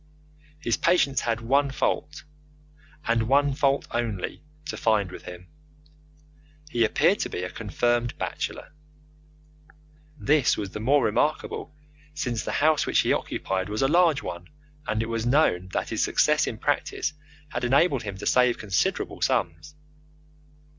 His patients had one fault and one fault only to find with him. He appeared to be a confirmed bachelor. This was the more remarkable since the house which he occupied was a large one, and it was known that his success in practice had enabled him to save considerable sums.